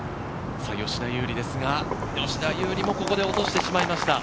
吉田優利ですが、ここで落としてしまいました。